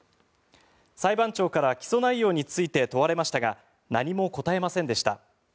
裁判長から起訴内容について問われましたが何も答えませんでした。